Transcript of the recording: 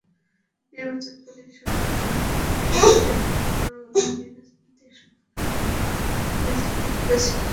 নির্বাচনকালীন সরকারব্যবস্থা বিষয়ে হাইকোর্টের দুটি ফর্মুলা নিয়ে রাজনৈতিক মহলে মিশ্র প্রতিক্রিয়া সৃষ্টি হয়েছে।